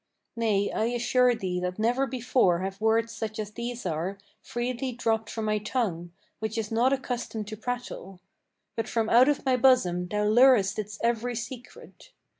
Nay, I assure thee that never before have words such as these are Freely dropped from my tongue, which is not accustomed to prattle; But from out of my bosom thou lurest its every secret.